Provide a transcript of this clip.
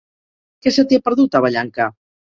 Què se t'hi ha perdut, a Vallanca?